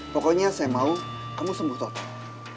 pokoknya saya mau kamu sembuh total